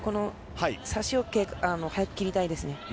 差しを早く切りたいですね。